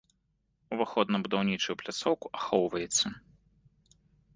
Уваход на будаўнічую пляцоўку ахоўваецца.